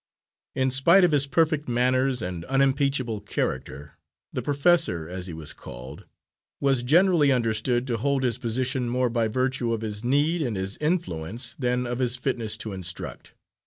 In spite of his perfect manners and unimpeachable character, the Professor, as he was called, was generally understood to hold his position more by virtue of his need and his influence than of his fitness to instruct.